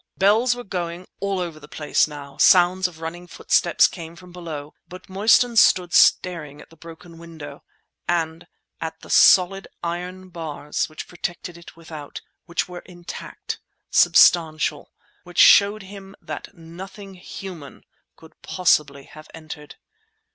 Bells were going all over the place now; sounds of running footsteps came from below; but Mostyn stood staring at the broken window and at the solid iron bars which protected it without, which were intact, substantial—which showed him that nothing human could possibly have entered.